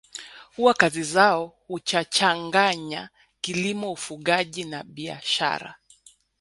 Huwa kazi zao huchachanganya kilimo ufugaji na biashara